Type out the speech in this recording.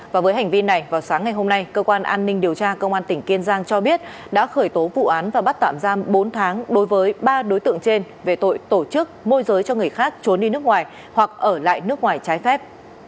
và với hành vi này vào sáng ngày hôm nay cơ quan an ninh điều tra công an tỉnh kiên giang cho biết đã khởi tố vụ án và bắt tạm giam bốn tháng đối với ba đối tượng trên về tội tổ chức môi giới cho người khác trốn đi nước ngoài hoặc ở lại nước ngoài trái phép